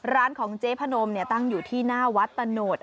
ร้านของเจ๊พนมตั้งอยู่ที่หน้าวัดตะโนด